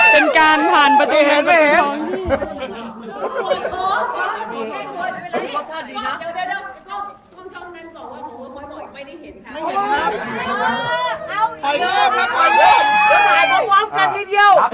เป็นการผ่านปัจจุแบบของพี่